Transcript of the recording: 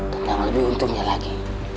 tapi yang lebih untungnya lagi